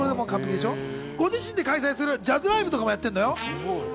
ご自身で開催するジャズライブとかもやってるのよ。